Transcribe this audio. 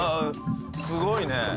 すごいね。